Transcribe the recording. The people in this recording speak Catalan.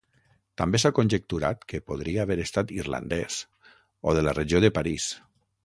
També s'ha conjecturat que podria haver estat irlandès o de la regió de París.